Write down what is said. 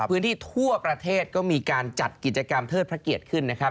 พื้นที่ทั่วประเทศก็มีการจัดกิจกรรมเทิดพระเกียรติขึ้นนะครับ